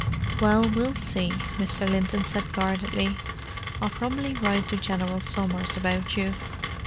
"Well, we'll see," Mr. Linton said guardedly. "I'll probably write to General Somers about you."